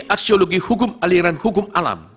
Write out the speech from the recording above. aksiologi hukum aliran hukum alam